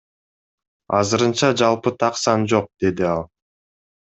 Азырынча жалпы так сан жок, — деди ал.